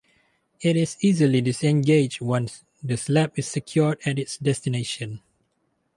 It is easily disengaged once the slab is secured at its destination.